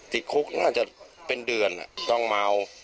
ติดคุกน่าจะเป็นเดือนต้องเมา